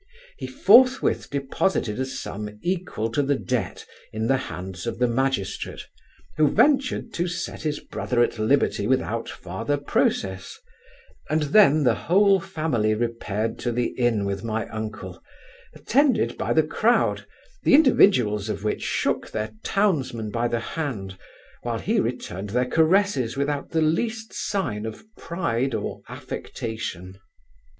He forthwith deposited a sum equal to the debt in the hands of the magistrate, who ventured to set his brother at liberty without farther process; and then the whole family repaired to the inn with my uncle, attended by the crowd, the individuals of which shook their townsman by the hand, while he returned their caresses without the least sign of pride or affectation.